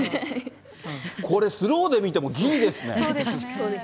これ、スローで見てもぎりですね。